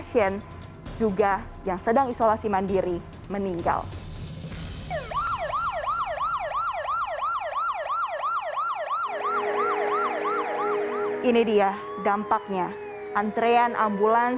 tingginya kasus positif covid sembilan belas juga membuat keteguhan